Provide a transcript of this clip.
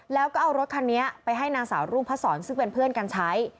แล้วก็เอารถคันนี้ไปให้นางสาวรุ่งพระศรซึ่งเป็นเพื่อนกันใช้